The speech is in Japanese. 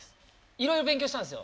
いろいろ勉強したんですよ。